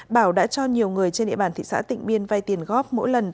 bảo đã cho nhiều người trên địa bàn thị xã tịnh biên vay tiền góp